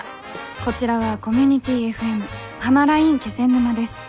こちらはコミュニティＦＭ「はまらいん気仙沼」です。